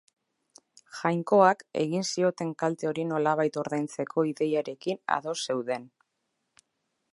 Jainkoak, egin zioten kalte hori nolabait ordaintzeko ideiarekin ados zeuden.